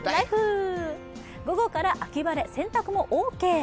午後から秋晴れ、洗濯もオーケー。